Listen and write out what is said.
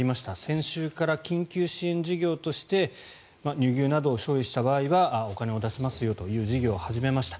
先週から緊急支援事業として乳牛などを処理した場合はお金を出しますよという事業を始めました。